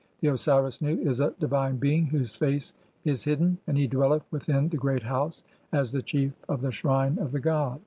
The Osiris Nu is a "(18) divine being whose face is hidden, and he dwelleth within "the Great House [as] the chief of the Shrine of the god.